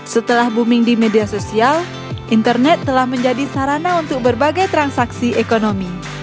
setelah booming di media sosial internet telah menjadi sarana untuk berbagai transaksi ekonomi